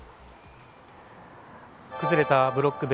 崩れたブロック塀